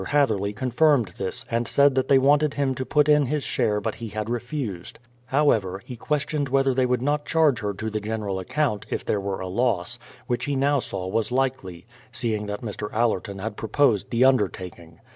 Hatherley confirmed this, and said that they wanted him to put in his share but he had refused. How ever, he questioned whether they would not charge her to the general account, if there were a loss, — which he nov/ saw was likely, — seeing that Mr. Allerton had proposed the undertaking.